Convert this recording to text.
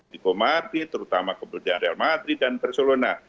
di komadi terutama kemudian di almadri dan barcelona